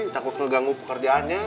takut ngeganggu pekerjaannya